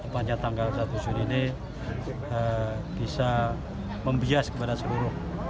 pancasila tanggal satu juni ini bisa membias kepada seluruh